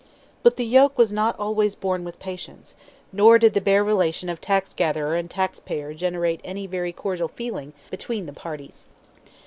But the yoke was not always borne with patience, nor did the bare relation of tax gatherer and tax payer generate any very cordial feeling between the parties.